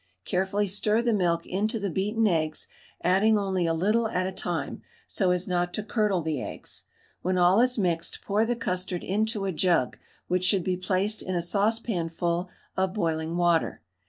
Carefully stir the milk into the beaten eggs, adding only a little at a time, so as not to curdle the eggs. When all is mixed, pour the custard into a jug, which should be placed in a saucepanful of boiling water.